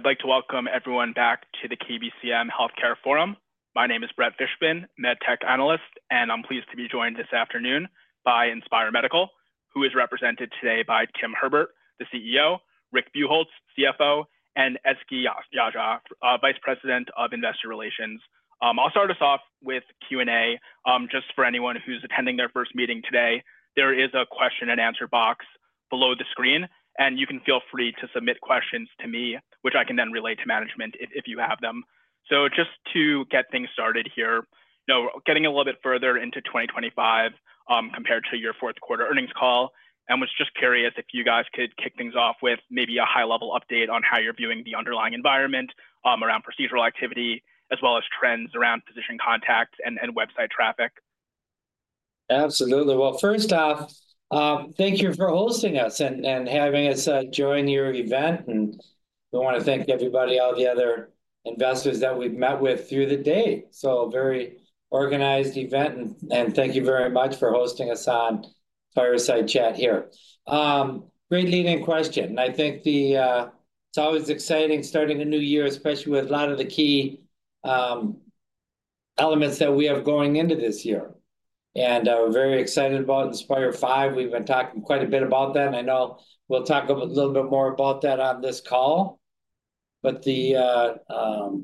I'd like to welcome everyone back to the KBCM Healthcare Forum. My name is Brett Fishbin, MedTech Analyst, and I'm pleased to be joined this afternoon by Inspire Medical, who is represented today by Tim Herbert, the CEO, Rick Buchholz, CFO, and Ezgi Yagci, Vice President of Investor Relations. I'll start us off with Q&A. Just for anyone who's attending their first meeting today, there is a question and answer box below the screen, and you can feel free to submit questions to me, which I can then relay to management if you have them. Just to get things started here, getting a little bit further into 2025 compared to your fourth quarter earnings call, I was just curious if you guys could kick things off with maybe a high-level update on how you're viewing the underlying environment around procedural activity, as well as trends around physician contacts and website traffic. Absolutely. First off, thank you for hosting us and having us join your event. We want to thank everybody, all the other investors that we've met with through the day. It is a very organized event, and thank you very much for hosting us on fireside chat here. Great leading question. I think it's always exciting starting a new year, especially with a lot of the key elements that we have going into this year. We're very excited about Inspire V. We've been talking quite a bit about that. I know we'll talk a little bit more about that on this call. The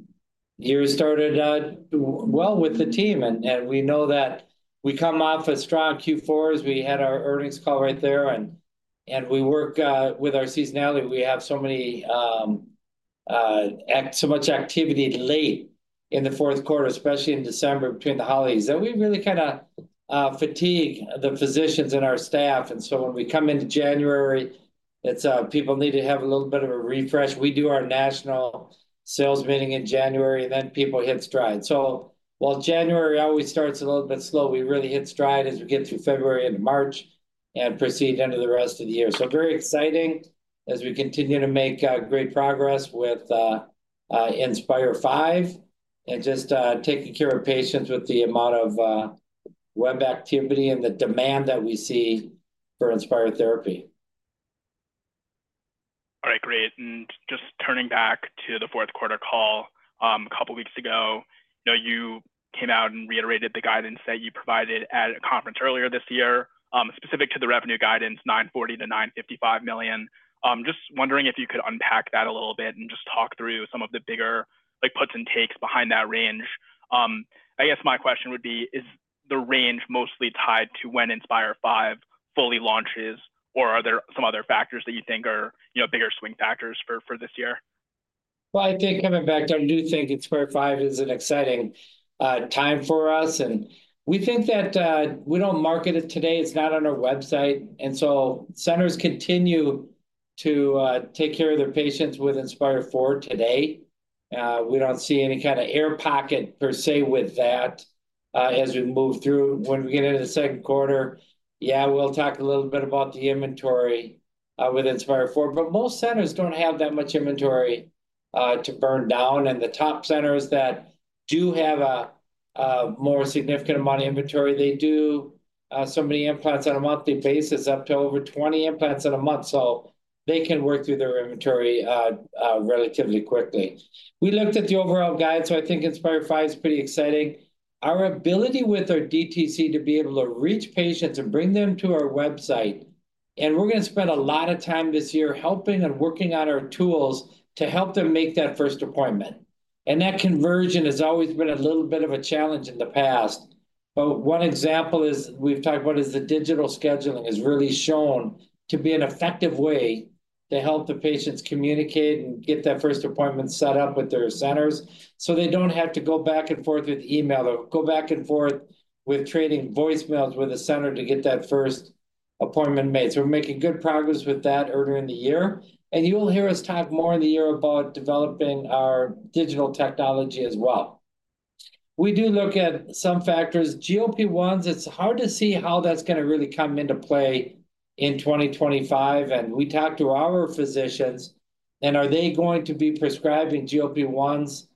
year started well with the team. We know that we come off a strong Q4. We had our earnings call right there. We work with our seasonality. We have so much activity late in the fourth quarter, especially in December between the holidays. We really kind of fatigue the physicians and our staff. When we come into January, people need to have a little bit of a refresh. We do our national sales meeting in January, and then people hit stride. While January always starts a little bit slow, we really hit stride as we get through February and March and proceed into the rest of the year. It is very exciting as we continue to make great progress with Inspire V and just taking care of patients with the amount of web activity and the demand that we see for Inspire therapy. All right, great. Just turning back to the fourth quarter call, a couple of weeks ago, you came out and reiterated the guidance that you provided at a conference earlier this year, specific to the revenue guidance, $940 million-$955 million. Just wondering if you could unpack that a little bit and just talk through some of the bigger puts and takes behind that range. I guess my question would be, is the range mostly tied to when Inspire V fully launches, or are there some other factors that you think are bigger swing factors for this year? I think coming back, I do think Inspire V is an exciting time for us. We think that we don't market it today. It's not on our website. Centers continue to take care of their patients with Inspire IV today. We don't see any kind of air pocket per se with that as we move through. When we get into the second quarter, yeah, we'll talk a little bit about the inventory with Inspire IV. Most centers don't have that much inventory to burn down. The top centers that do have a more significant amount of inventory, they do so many implants on a monthly basis, up to over 20 implants in a month. They can work through their inventory relatively quickly. We looked at the overall guide. I think Inspire V is pretty exciting. Our ability with our DTC to be able to reach patients and bring them to our website. We are going to spend a lot of time this year helping and working on our tools to help them make that first appointment. That conversion has always been a little bit of a challenge in the past. One example we've talked about is the digital scheduling has really shown to be an effective way to help the patients communicate and get that first appointment set up with their centers so they do not have to go back and forth with email or go back and forth with trading voicemails with a center to get that first appointment made. We are making good progress with that earlier in the year. You will hear us talk more in the year about developing our digital technology as well. We do look at some factors. GLP-1s, it's hard to see how that's going to really come into play in 2025. We talked to our physicians, and are they going to be prescribing GLP-1s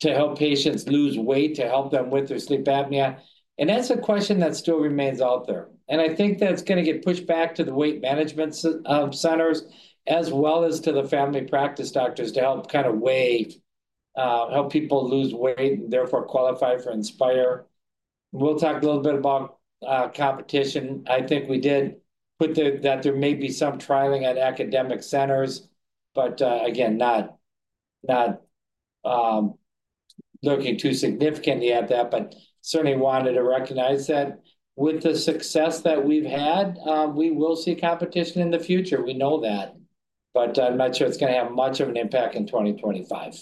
to help patients lose weight, to help them with their sleep apnea? That's a question that still remains out there. I think that's going to get pushed back to the weight management centers as well as to the family practice doctors to help kind of weigh, help people lose weight and therefore qualify for Inspire. We'll talk a little bit about competition. I think we did put that there may be some trialing at academic centers, not looking too significantly at that. Certainly wanted to recognize that with the success that we've had, we will see competition in the future. We know that. I'm not sure it's going to have much of an impact in 2025.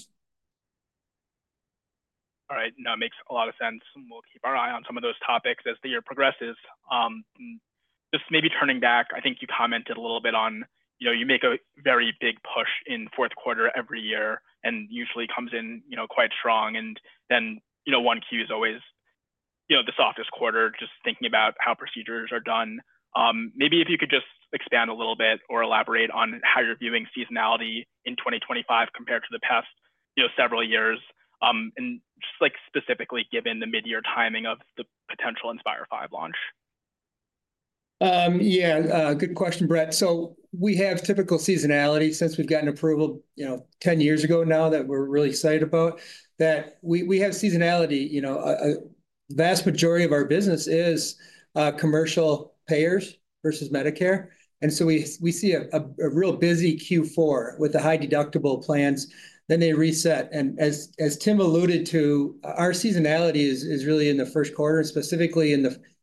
All right. No, it makes a lot of sense. We'll keep our eye on some of those topics as the year progresses. Just maybe turning back, I think you commented a little bit on you make a very big push in fourth quarter every year and usually comes in quite strong. And then 1Q is always the softest quarter, just thinking about how procedures are done. Maybe if you could just expand a little bit or elaborate on how you're viewing seasonality in 2025 compared to the past several years, and just specifically given the mid-year timing of the potential Inspire V launch. Yeah, good question, Brett. We have typical seasonality since we've gotten approval 10 years ago now that we're really excited about that. We have seasonality. A vast majority of our business is commercial payers versus Medicare. We see a real busy Q4 with the high deductible plans. They reset. As Tim alluded to, our seasonality is really in the first quarter, specifically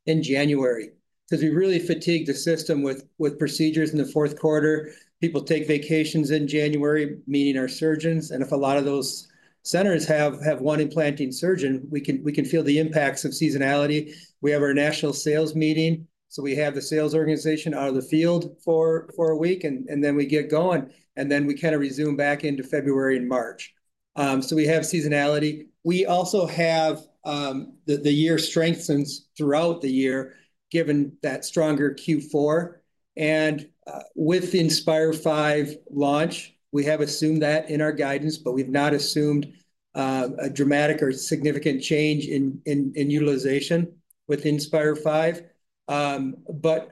in January, because we really fatigued the system with procedures in the fourth quarter. People take vacations in January, meaning our surgeons. If a lot of those centers have one implanting surgeon, we can feel the impacts of seasonality. We have our national sales meeting. We have the sales organization out of the field for a week, and we get going. We kind of resume back into February and March. We have seasonality. We also have the year strengthens throughout the year, given that stronger Q4. With Inspire V launch, we have assumed that in our guidance, but we've not assumed a dramatic or significant change in utilization with Inspire V.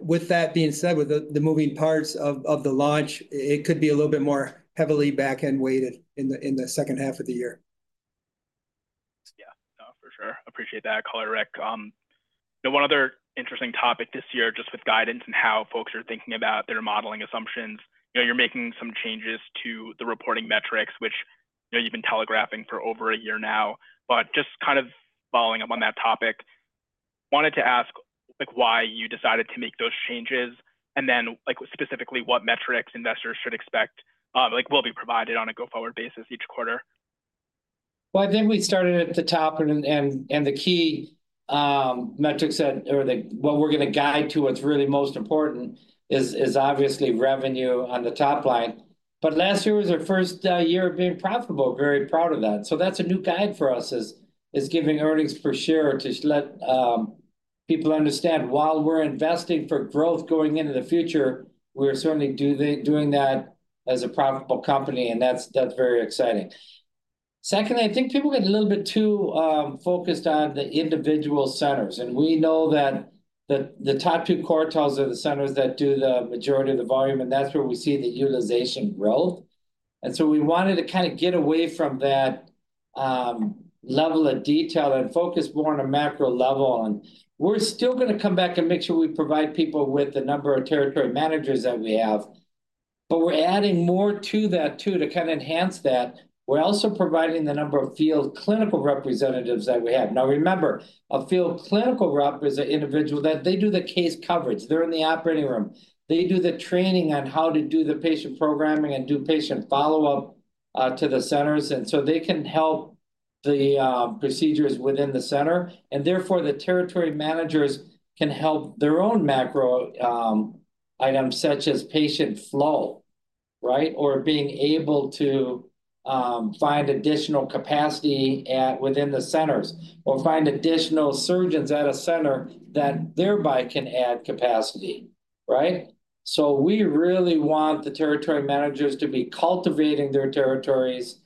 With that being said, with the moving parts of the launch, it could be a little bit more heavily back-end weighted in the second half of the year. Yeah, no, for sure. Appreciate that color, Rick. One other interesting topic this year, just with guidance and how folks are thinking about their modeling assumptions. You're making some changes to the reporting metrics, which you've been telegraphing for over a year now. Just kind of following up on that topic, wanted to ask why you decided to make those changes, and then specifically what metrics investors should expect will be provided on a go-forward basis each quarter. I think we started at the top. The key metrics that, or what we're going to guide to, what's really most important is obviously revenue on the top line. Last year was our first year of being profitable. Very proud of that. That's a new guide for us is giving earnings per share to let people understand while we're investing for growth going into the future, we're certainly doing that as a profitable company. That's very exciting. Secondly, I think people get a little bit too focused on the individual centers. We know that the top two quartiles are the centers that do the majority of the volume. That's where we see the utilization growth. We wanted to kind of get away from that level of detail and focus more on a macro level. We are still going to come back and make sure we provide people with the number of territory managers that we have. We are adding more to that too to kind of enhance that. We are also providing the number of field clinical representatives that we have. Now, remember, a field clinical rep is an individual that does the case coverage. They are in the operating room. They do the training on how to do the patient programming and do patient follow-up to the centers. They can help the procedures within the center. Therefore, the territory managers can help their own macro items, such as patient flow, or being able to find additional capacity within the centers or find additional surgeons at a center that thereby can add capacity, right? We really want the territory managers to be cultivating their territories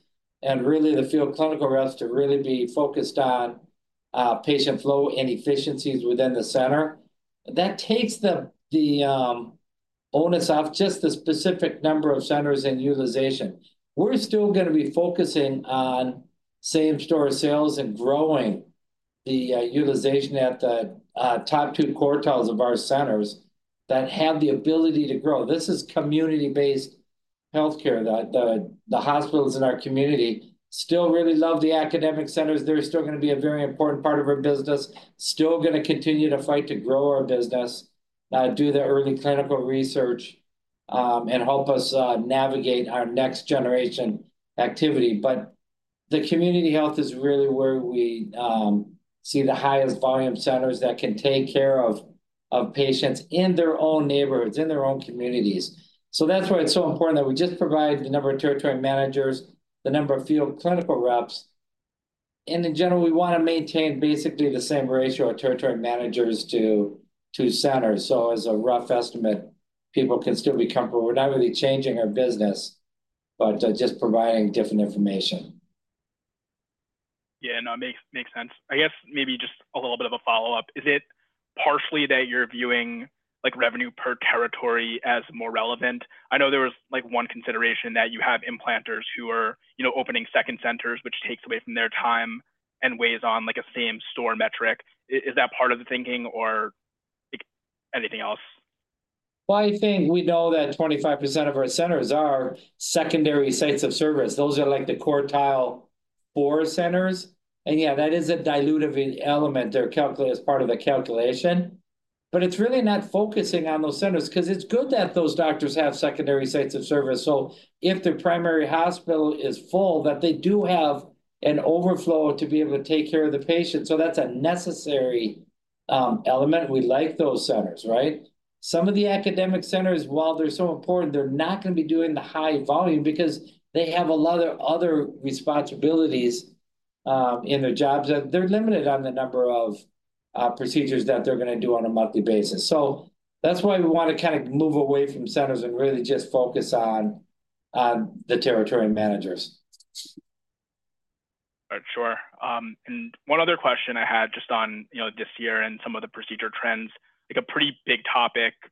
and really the field clinical reps to really be focused on patient flow and efficiencies within the center. That takes the onus off just the specific number of centers and utilization. We're still going to be focusing on same-store sales and growing the utilization at the top two quartiles of our centers that have the ability to grow. This is community-based healthcare. The hospitals in our community still really love the academic centers. They're still going to be a very important part of our business, still going to continue to fight to grow our business, do the early clinical research, and help us navigate our next generation activity. The community health is really where we see the highest volume centers that can take care of patients in their own neighborhoods, in their own communities. That's why it's so important that we just provide the number of territory managers, the number of field clinical reps. In general, we want to maintain basically the same ratio of territory managers to centers. As a rough estimate, people can still be comfortable. We're not really changing our business, but just providing different information. Yeah, no, it makes sense. I guess maybe just a little bit of a follow-up. Is it partially that you're viewing revenue per territory as more relevant? I know there was one consideration that you have implanters who are opening second centers, which takes away from their time and weighs on a same-store metric. Is that part of the thinking or anything else? I think we know that 25% of our centers are secondary sites of service. Those are like the quartile four centers. Yeah, that is a dilutive element there as part of the calculation. It is really not focusing on those centers because it is good that those doctors have secondary sites of service. If the primary hospital is full, they do have an overflow to be able to take care of the patient. That is a necessary element. We like those centers, right? Some of the academic centers, while they are so important, are not going to be doing the high volume because they have a lot of other responsibilities in their jobs. They are limited on the number of procedures that they are going to do on a monthly basis. That's why we want to kind of move away from centers and really just focus on the territory managers. Sure. One other question I had just on this year and some of the procedure trends, a pretty big topic, I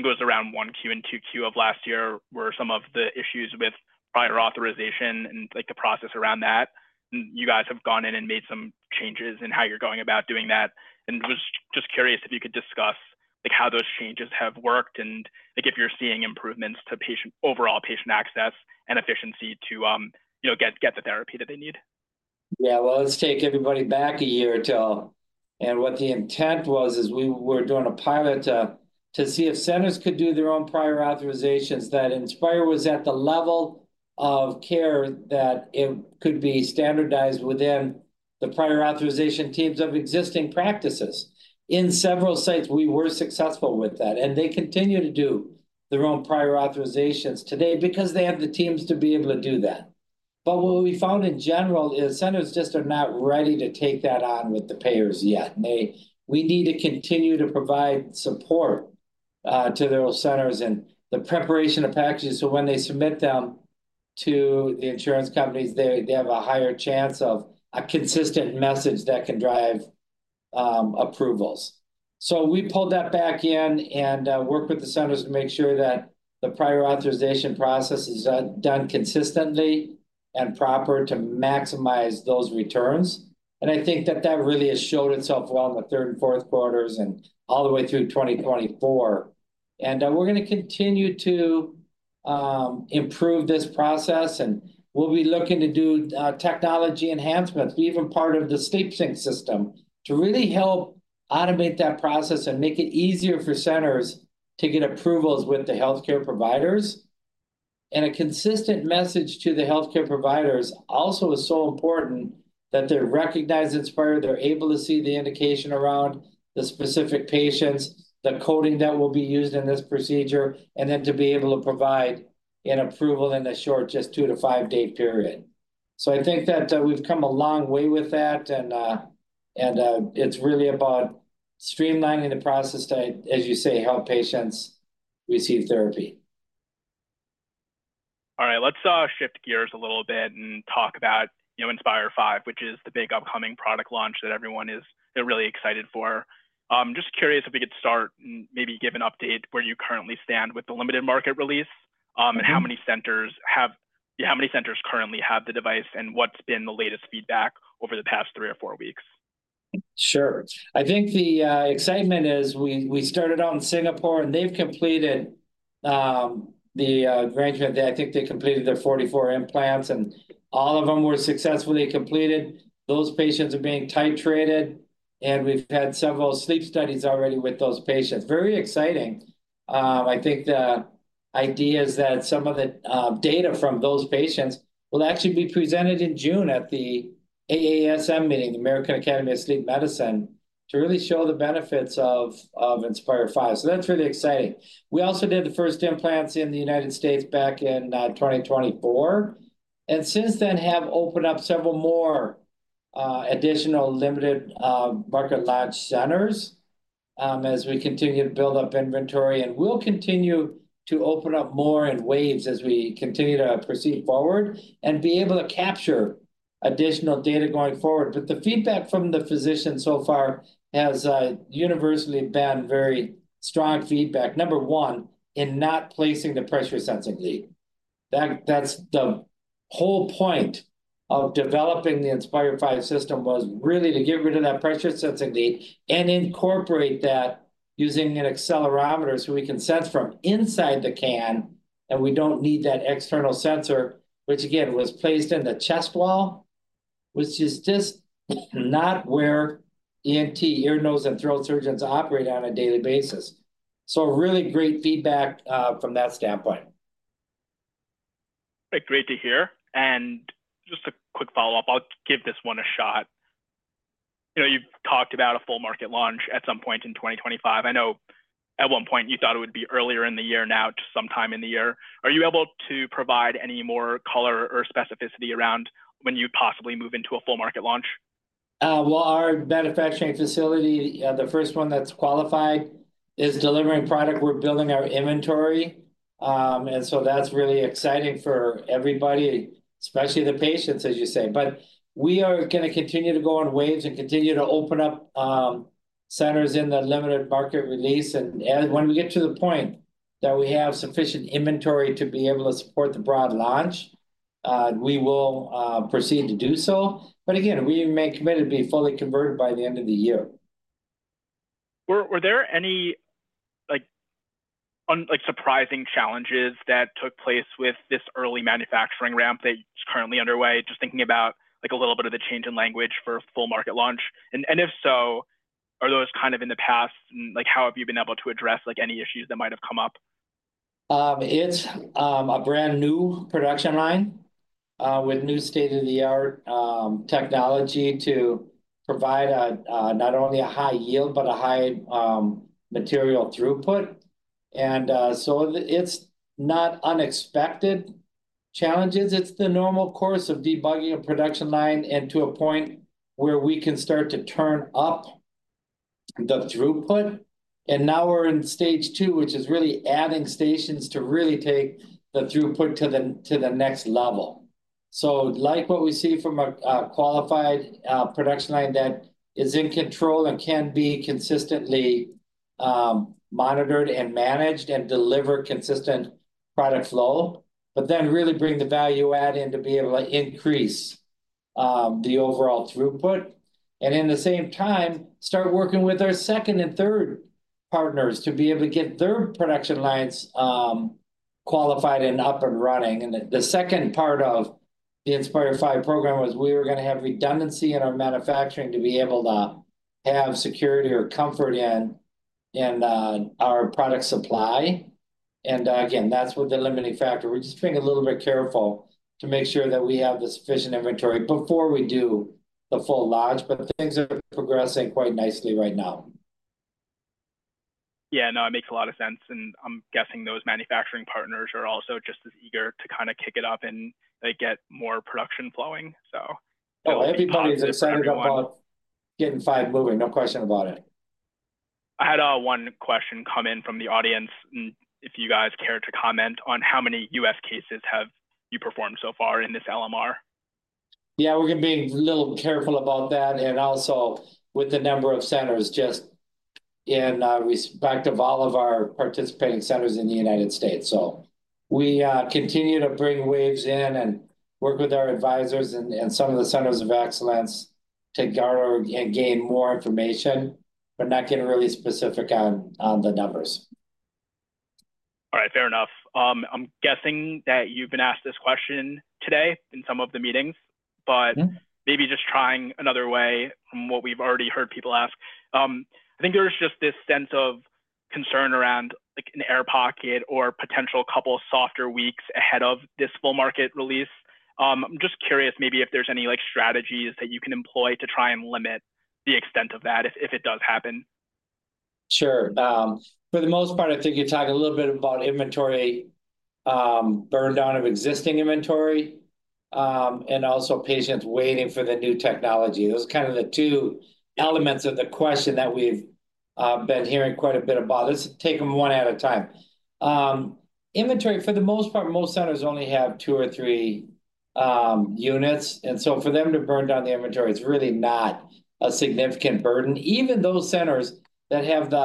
think it was around 1Q and 2Q of last year were some of the issues with prior authorization and the process around that. You guys have gone in and made some changes in how you're going about doing that. I was just curious if you could discuss how those changes have worked and if you're seeing improvements to overall patient access and efficiency to get the therapy that they need. Yeah, let's take everybody back a year or two. What the intent was is we were doing a pilot to see if centers could do their own prior authorizations, that Inspire was at the level of care that it could be standardized within the prior authorization teams of existing practices. In several sites, we were successful with that. They continue to do their own prior authorizations today because they have the teams to be able to do that. What we found in general is centers just are not ready to take that on with the payers yet. We need to continue to provide support to their centers and the preparation of packages. When they submit them to the insurance companies, they have a higher chance of a consistent message that can drive approvals. We pulled that back in and worked with the centers to make sure that the prior authorization process is done consistently and proper to maximize those returns. I think that that really has showed itself well in the third and fourth quarters and all the way through 2024. We are going to continue to improve this process. We will be looking to do technology enhancements, even part of the SleepSync system, to really help automate that process and make it easier for centers to get approvals with the healthcare providers. A consistent message to the healthcare providers also is so important that they recognize Inspire, they are able to see the indication around the specific patients, the coding that will be used in this procedure, and then to be able to provide an approval in a short, just two- to five-day period. I think that we've come a long way with that. It's really about streamlining the process to, as you say, help patients receive therapy. All right. Let's shift gears a little bit and talk about Inspire V, which is the big upcoming product launch that everyone is really excited for. I'm just curious if we could start and maybe give an update where you currently stand with the limited market release and how many centers currently have the device and what's been the latest feedback over the past three or four weeks. Sure. I think the excitement is we started out in Singapore, and they've completed the grant that I think they completed their 44 implants, and all of them were successfully completed. Those patients are being titrated, and we've had several sleep studies already with those patients. Very exciting. I think the idea is that some of the data from those patients will actually be presented in June at the AASM meeting, the American Academy of Sleep Medicine, to really show the benefits of Inspire V. That is really exciting. We also did the first implants in the United States back in 2024. Since then, have opened up several more additional limited market launch centers as we continue to build up inventory. We will continue to open up more in waves as we continue to proceed forward and be able to capture additional data going forward. The feedback from the physicians so far has universally been very strong feedback, number one, in not placing the pressure sensing lead. That is the whole point of developing the Inspire V system, was really to get rid of that pressure sensing lead and incorporate that using an accelerometer so we can sense from inside the can, and we do not need that external sensor, which again, was placed in the chest wall, which is just not where ENT, ear, nose, and throat surgeons operate on a daily basis. Really great feedback from that standpoint. Great to hear. Just a quick follow-up. I'll give this one a shot. You've talked about a full market launch at some point in 2025. I know at one point you thought it would be earlier in the year, now to sometime in the year. Are you able to provide any more color or specificity around when you possibly move into a full market launch? Our manufacturing facility, the first one that's qualified, is delivering product. We're building our inventory. That is really exciting for everybody, especially the patients, as you say. We are going to continue to go in waves and continue to open up centers in the limited market release. When we get to the point that we have sufficient inventory to be able to support the broad launch, we will proceed to do so. Again, we remain committed to be fully converted by the end of the year. Were there any surprising challenges that took place with this early manufacturing ramp that's currently underway? Just thinking about a little bit of the change in language for full market launch. If so, are those kind of in the past? How have you been able to address any issues that might have come up? It's a brand new production line with new state-of-the-art technology to provide not only a high yield, but a high material throughput. It's not unexpected challenges. It's the normal course of debugging a production line to a point where we can start to turn up the throughput. Now we're in stage two, which is really adding stations to really take the throughput to the next level. What we see from a qualified production line is that it is in control and can be consistently monitored and managed and deliver consistent product flow, but then really bring the value add in to be able to increase the overall throughput. At the same time, start working with our second and third partners to be able to get their production lines qualified and up and running. The second part of the Inspire V program was we were going to have redundancy in our manufacturing to be able to have security or comfort in our product supply. Again, that is what the limiting factor is. We are just being a little bit careful to make sure that we have the sufficient inventory before we do the full launch. Things are progressing quite nicely right now. Yeah, no, it makes a lot of sense. I am guessing those manufacturing partners are also just as eager to kind of kick it up and get more production flowing. Everybody's excited about getting five moving. No question about it. I had one question come in from the audience. If you guys care to comment on how many U.S. cases have you performed so far in this LMR? Yeah, we're going to be a little careful about that. Also, with the number of centers, just in respect of all of our participating centers in the United States. We continue to bring waves in and work with our advisors and some of the centers of excellence to gather and gain more information. We're not getting really specific on the numbers. All right, fair enough. I'm guessing that you've been asked this question today in some of the meetings, but maybe just trying another way from what we've already heard people ask. I think there's just this sense of concern around an air pocket or potential couple of softer weeks ahead of this full market release. I'm just curious maybe if there's any strategies that you can employ to try and limit the extent of that if it does happen. Sure. For the most part, I think you talk a little bit about inventory burned out of existing inventory and also patients waiting for the new technology. Those are kind of the two elements of the question that we've been hearing quite a bit about. Let's take them one at a time. Inventory, for the most part, most centers only have two or three units. And so for them to burn down the inventory, it's really not a significant burden. Even those centers that have the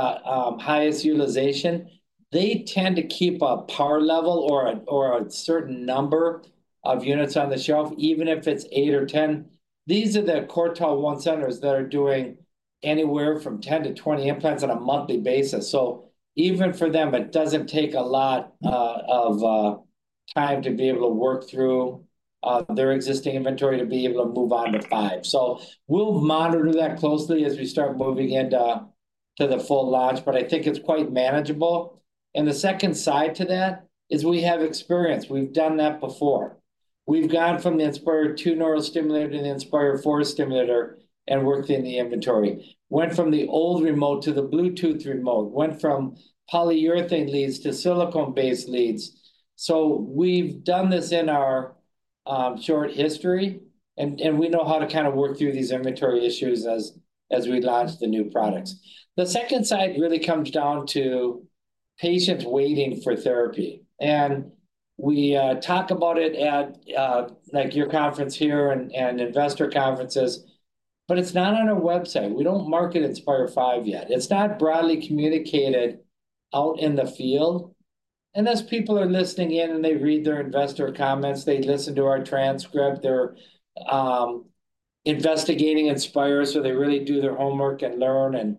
highest utilization, they tend to keep a power level or a certain number of units on the shelf, even if it's eight or ten. These are the quartile one centers that are doing anywhere from 10-20 implants on a monthly basis. Even for them, it doesn't take a lot of time to be able to work through their existing inventory to be able to move on to five. We will monitor that closely as we start moving into the full launch. I think it's quite manageable. The second side to that is we have experience. We've done that before. We've gone from the Inspire II neurostimulator to the Inspire IV stimulator and worked in the inventory. Went from the old remote to the Bluetooth remote. Went from polyurethane leads to silicone-based leads. We've done this in our short history. We know how to kind of work through these inventory issues as we launch the new products. The second side really comes down to patients waiting for therapy. We talk about it at your conference here and investor conferences, but it's not on our website. We don't market Inspire V yet. It's not broadly communicated out in the field. Unless people are listening in and they read their investor comments, they listen to our transcript, they're investigating Inspire, so they really do their homework and learn.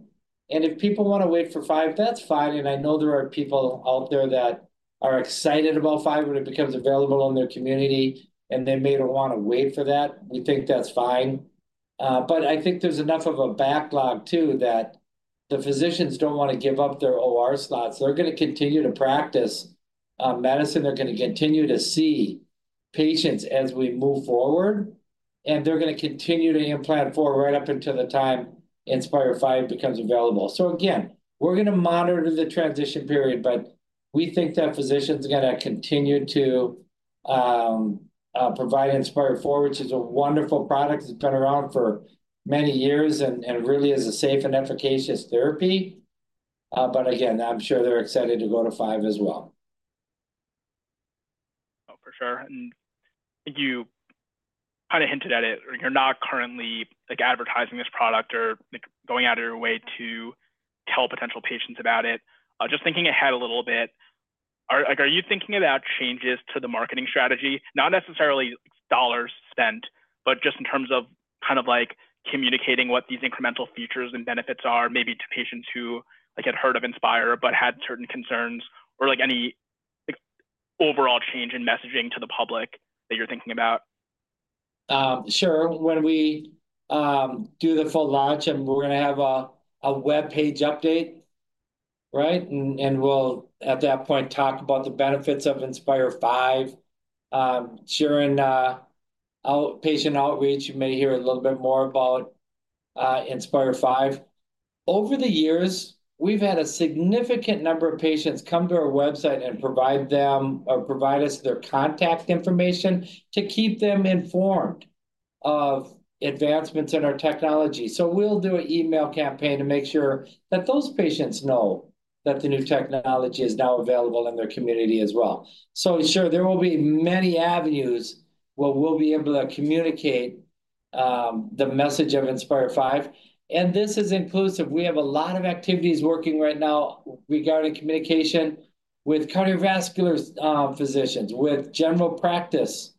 If people want to wait for five, that's fine. I know there are people out there that are excited about five when it becomes available in their community and they may want to wait for that. We think that's fine. I think there's enough of a backlog too that the physicians don't want to give up their OR slots. They're going to continue to practice medicine. They're going to continue to see patients as we move forward. They're going to continue to implant for right up until the time Inspire V becomes available. Again, we're going to monitor the transition period, but we think that physicians are going to continue to provide Inspire IV, which is a wonderful product that's been around for many years and really is a safe and efficacious therapy. Again, I'm sure they're excited to go to five as well. For sure. You kind of hinted at it. You're not currently advertising this product or going out of your way to tell potential patients about it. Just thinking ahead a little bit, are you thinking about changes to the marketing strategy, not necessarily dollars spent, but just in terms of kind of communicating what these incremental features and benefits are maybe to patients who had heard of Inspire but had certain concerns or any overall change in messaging to the public that you're thinking about? Sure. When we do the full launch, and we're going to have a web page update, right? At that point, we'll talk about the benefits of Inspire V. During outpatient outreach, you may hear a little bit more about Inspire V. Over the years, we've had a significant number of patients come to our website and provide us their contact information to keep them informed of advancements in our technology. We'll do an email campaign to make sure that those patients know that the new technology is now available in their community as well. There will be many avenues where we'll be able to communicate the message of Inspire V. This is inclusive. We have a lot of activities working right now regarding communication with cardiovascular physicians, with general practice,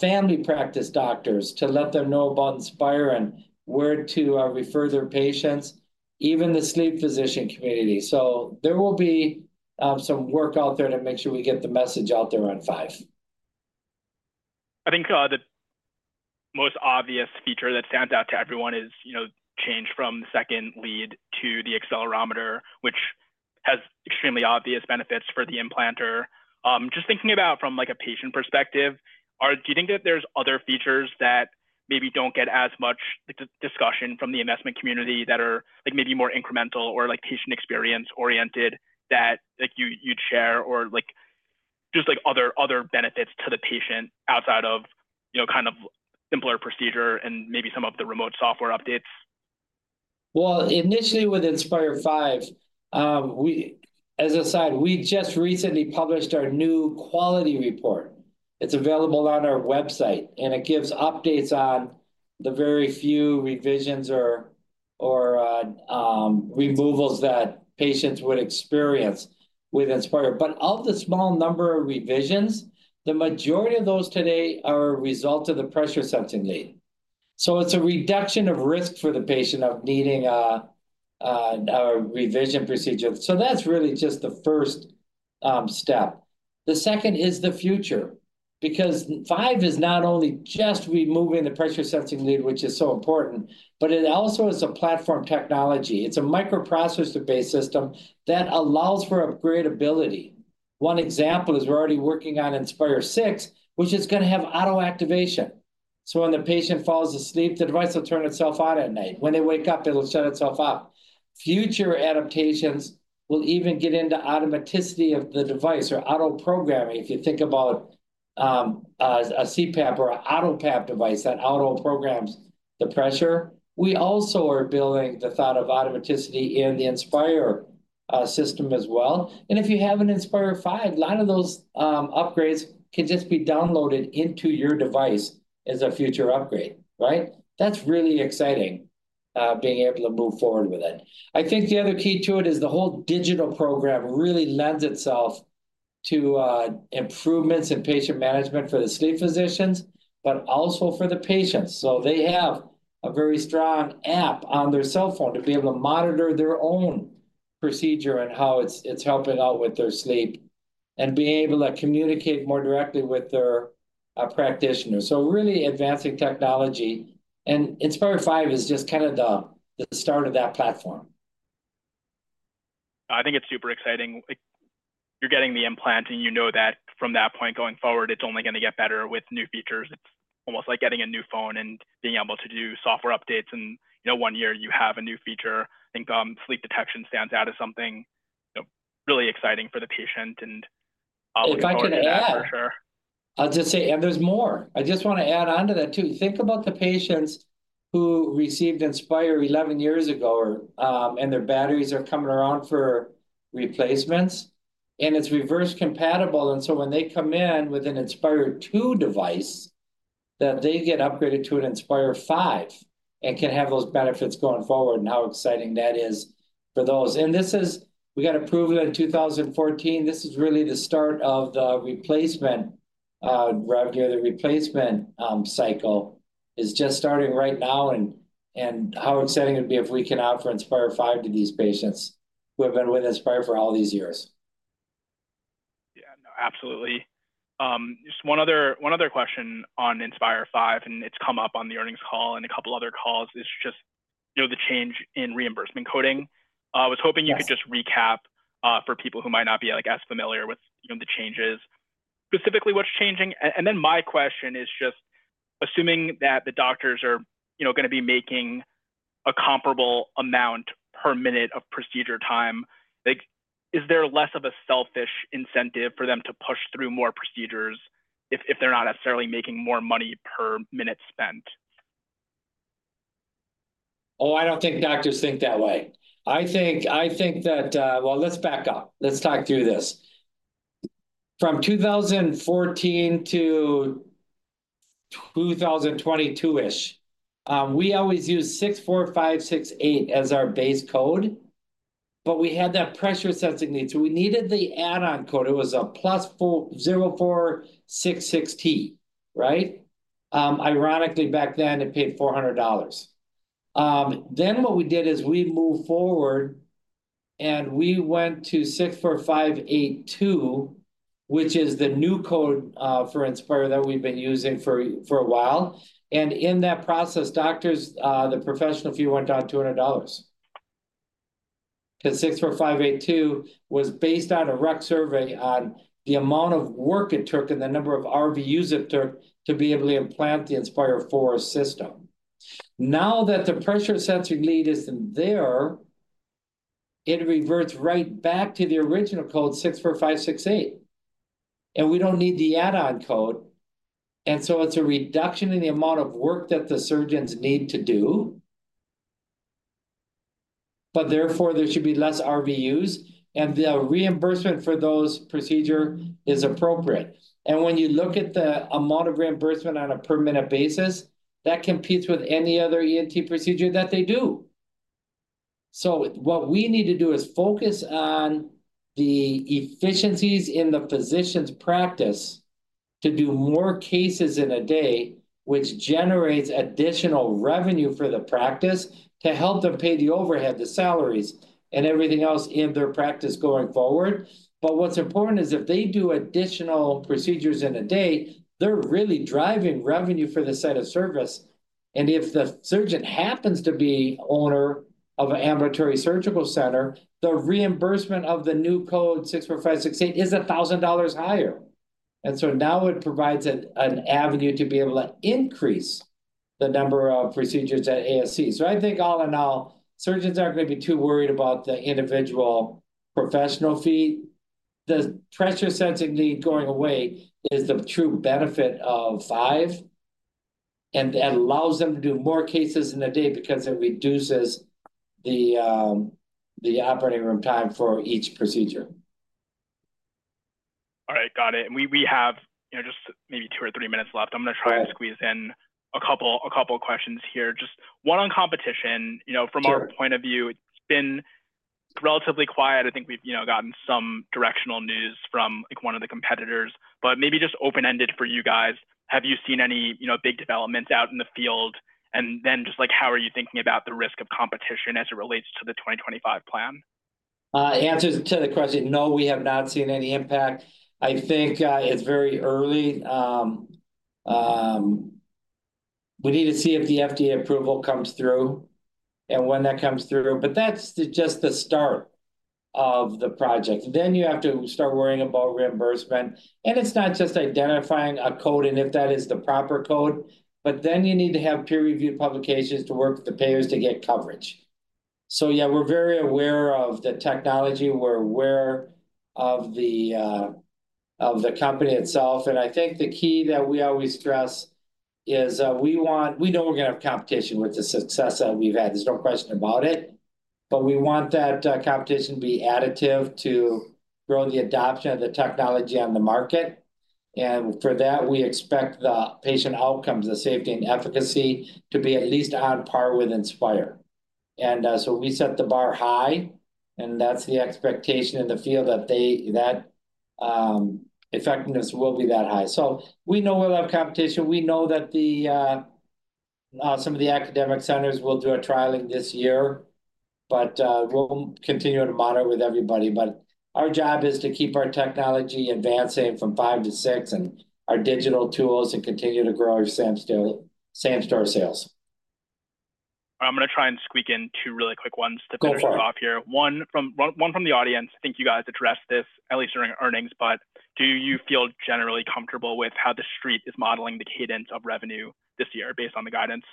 family practice doctors to let them know about Inspire and where to refer their patients, even the sleep physician community. There will be some work out there to make sure we get the message out there on V. I think the most obvious feature that stands out to everyone is change from the second lead to the accelerometer, which has extremely obvious benefits for the implanter. Just thinking about from a patient perspective, do you think that there's other features that maybe don't get as much discussion from the investment community that are maybe more incremental or patient experience oriented that you'd share or just other benefits to the patient outside of kind of simpler procedure and maybe some of the remote software updates? Initially with Inspire V, as a side, we just recently published our new quality report. It's available on our website, and it gives updates on the very few revisions or removals that patients would experience with Inspire. Of the small number of revisions, the majority of those today are a result of the pressure sensing lead. It's a reduction of risk for the patient of needing a revision procedure. That's really just the first step. The second is the future because V is not only just removing the pressure sensing lead, which is so important, but it also is a platform technology. It's a microprocessor-based system that allows for upgradability. One example is we're already working on Inspire VI, which is going to have auto activation. When the patient falls asleep, the device will turn itself on at night. When they wake up, it'll shut itself off. Future adaptations will even get into automaticity of the device or auto programming. If you think about a CPAP or an Auto PAP device that auto programs the pressure, we also are building the thought of automaticity in the Inspire system as well. If you have an Inspire V, a lot of those upgrades can just be downloaded into your device as a future upgrade, right? That's really exciting being able to move forward with it. I think the other key to it is the whole digital program really lends itself to improvements in patient management for the sleep physicians, but also for the patients. They have a very strong app on their cell phone to be able to monitor their own procedure and how it's helping out with their sleep and being able to communicate more directly with their practitioners. Really advancing technology. Inspire V is just kind of the start of that platform. I think it's super exciting. You're getting the implant, and you know that from that point going forward, it's only going to get better with new features. It's almost like getting a new phone and being able to do software updates. One year you have a new feature. I think sleep detection stands out as something really exciting for the patient. If I can add, I'll just say, and there's more. I just want to add on to that too. Think about the patients who received Inspire 11 years ago, and their batteries are coming around for replacements, and it's reverse compatible. When they come in with an Inspire II device, they get upgraded to an Inspire V and can have those benefits going forward and how exciting that is for those. This is, we got approved in 2014. This is really the start of the replacement, right here. The replacement cycle is just starting right now. How exciting it would be if we can offer Inspire V to these patients who have been with Inspire for all these years. Yeah, absolutely. Just one other question on Inspire V, and it's come up on the earnings call and a couple of other calls, is just the change in reimbursement coding. I was hoping you could just recap for people who might not be as familiar with the changes, specifically what's changing. My question is just assuming that the doctors are going to be making a comparable amount per minute of procedure time, is there less of a selfish incentive for them to push through more procedures if they're not necessarily making more money per minute spent? RUC survey on the amount of work it took and the number of RVUs it took to be able to implant the Inspire IV system. Now that the pressure sensing lead isn't there, it reverts right back to the original code 64568. We don't need the add-on code. It is a reduction in the amount of work that the surgeons need to do, but therefore there should be less RVUs, and the reimbursement for those procedures is appropriate. When you look at the amount of reimbursement on a per minute basis, that competes with any other ENT procedure that they do. What we need to do is focus on the efficiencies in the physician's practice to do more cases in a day, which generates additional revenue for the practice to help them pay the overhead, the salaries, and everything else in their practice going forward. What is important is if they do additional procedures in a day, they are really driving revenue for the set of service. If the surgeon happens to be the owner of an ambulatory surgical center, the reimbursement of the new code 64568 is $1,000 higher. It provides an avenue to be able to increase the number of procedures at ASC. I think all in all, surgeons are not going to be too worried about the individual professional fee. The pressure sensing lead going away is the true benefit of V, and that allows them to do more cases in a day because it reduces the operating room time for each procedure. All right, got it. We have just maybe two or three minutes left. I'm going to try and squeeze in a couple of questions here. Just one on competition. From our point of view, it's been relatively quiet. I think we've gotten some directional news from one of the competitors, but maybe just open-ended for you guys. Have you seen any big developments out in the field? Just how are you thinking about the risk of competition as it relates to the 2025 plan? Answer to the question, no, we have not seen any impact. I think it's very early. We need to see if the FDA approval comes through and when that comes through, but that's just the start of the project. You have to start worrying about reimbursement. It's not just identifying a code and if that is the proper code, but you need to have peer-reviewed publications to work with the payers to get coverage. Yeah, we're very aware of the technology. We're aware of the company itself. I think the key that we always stress is we know we're going to have competition with the success that we've had. There's no question about it. We want that competition to be additive to grow the adoption of the technology on the market. We expect the patient outcomes, the safety and efficacy to be at least on par with Inspire. We set the bar high, and that's the expectation in the field that that effectiveness will be that high. We know we'll have competition. We know that some of the academic centers will do a trialing this year. We'll continue to monitor with everybody. Our job is to keep our technology advancing from V to VI and our digital tools and continue to grow our same store sales. I'm going to try and squeak in two really quick ones to finish off here. One from the audience. I think you guys addressed this, at least during earnings, but do you feel generally comfortable with how the street is modeling the cadence of revenue this year based on the guidance?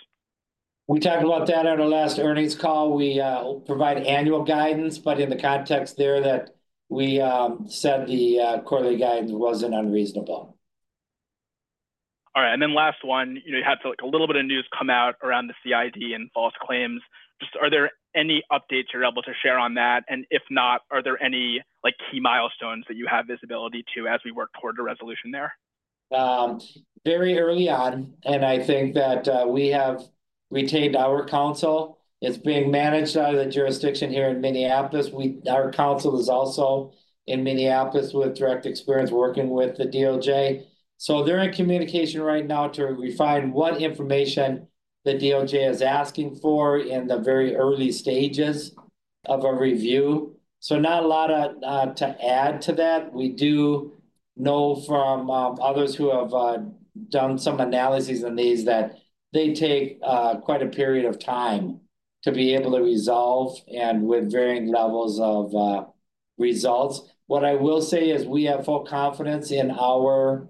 We talked about that on our last earnings call. We provide annual guidance, but in the context there that we said the quarterly guidance wasn't unreasonable. All right. Last one, you had a little bit of news come out around the CID and false claims. Are there any updates you're able to share on that? If not, are there any key milestones that you have visibility to as we work toward a resolution there? Very early on, and I think that we have retained our counsel. It's being managed out of the jurisdiction here in Minneapolis. Our counsel is also in Minneapolis with direct experience working with the DOJ. They're in communication right now to refine what information the DOJ is asking for in the very early stages of a review. Not a lot to add to that. We do know from others who have done some analyses on these that they take quite a period of time to be able to resolve and with varying levels of results. What I will say is we have full confidence in our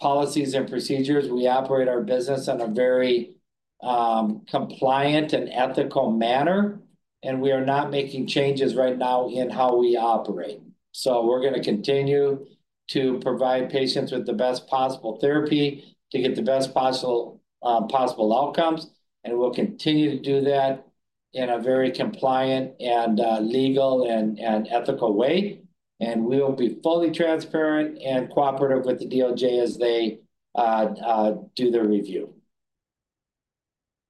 policies and procedures. We operate our business in a very compliant and ethical manner, and we are not making changes right now in how we operate. We are going to continue to provide patients with the best possible therapy to get the best possible outcomes, and we will continue to do that in a very compliant and legal and ethical way. We will be fully transparent and cooperative with the DOJ as they do their review.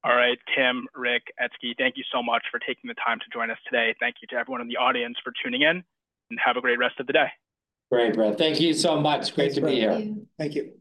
All right, Tim, Rick, Ezgi, thank you so much for taking the time to join us today. Thank you to everyone in the audience for tuning in, and have a great rest of the day. Great, Brett. Thank you so much. Great to be here. Thank you.